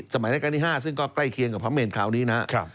รายการที่๕ซึ่งก็ใกล้เคียงกับพระเมนคราวนี้นะครับ